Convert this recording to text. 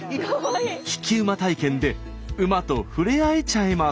引き馬体験で馬とふれあえちゃいます。